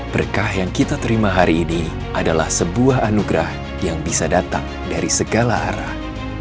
berkah yang kita terima hari ini adalah sebuah anugerah yang bisa datang dari segala arah